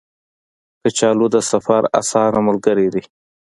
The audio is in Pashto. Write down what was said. کچالو د سفر اسانه ملګری دی